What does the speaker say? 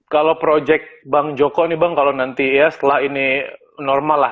kalau proyek bang joko nih bang kalau nanti ya setelah ini normal lah